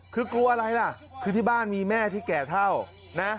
คือกลัวอะไรล่ะคือที่บ้านมีแม่ที่แก่เท่านะ